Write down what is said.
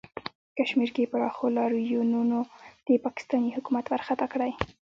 کشمیر کې پراخو لاریونونو د پاکستانی حکومت ورخطا کړی